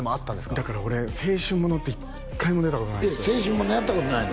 だから俺青春ものって１回も出たことないんですよえっ青春ものやったことないの？